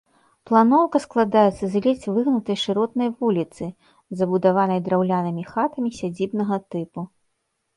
Планоўка складаецца з ледзь выгнутай шыротнай вуліцы, забудаванай драўлянымі хатамі сядзібнага тыпу.